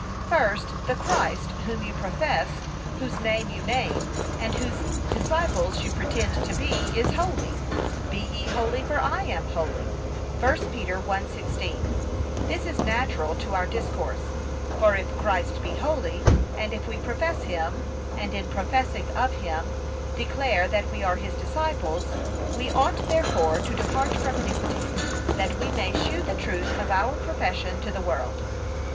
] First, The Christ, whom you profess, whose name you name, and whose disciples you pretend to be, is holy. 'Be ye holy, for I am holy,' (1 Peter 1:16) This is natural to our discourse; for if Christ be holy, and if we profess him, and in professing of him, declare that we are his disciples, we ought therefore to depart from iniquity, that we may shew the truth of our profession to the world.